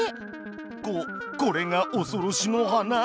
ここれがおそろしの花？